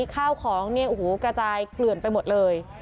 ข้าวของเนี่ยโอ้โหกระจายเกลื่อนไปหมดเลย